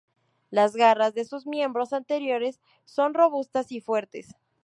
Las garras de sus miembros anterior son robustas y fuertes.